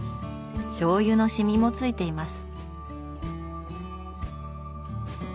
しょうゆのシミもついています。